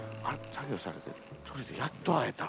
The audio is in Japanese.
作業されてるやっと会えた。